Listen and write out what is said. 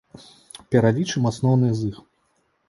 Пералічым асноўныя з іх.